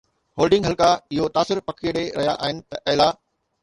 holding حلقا اهو تاثر پکيڙي رهيا آهن ته اعليٰ